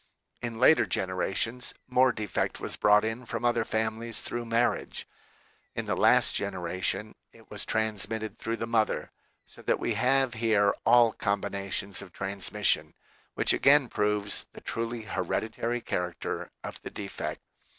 In later generations, more defect was brought in from other families through marriage. In the last genera tion it was transmitted through the mother, so that we have here all combinations of transmission, which again proves the truly hereditary character of the de fect.